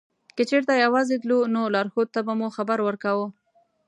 که چېرته یوازې تلو نو لارښود ته به مو خبر ورکاوه.